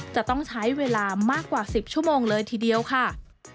จะต้องใช้เวลามากกว่า๑๐ชั่วโมงเลยทีเดียวค่ะ